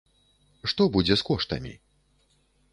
Што будзе з коштамі?